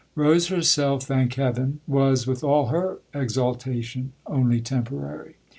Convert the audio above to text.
Rose herself, thank heaven, was, with all her exaltation, only temporary.